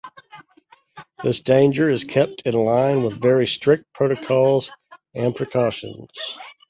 This danger is kept in line with very strict protocols and precautions.